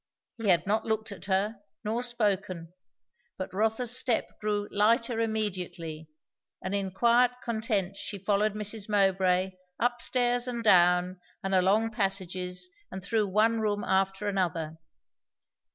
He had not looked at her, nor spoken, but Rotha's step grew lighter immediately; and in quiet content she followed Mrs. Mowbray up stairs and down and along passages and through one room after another.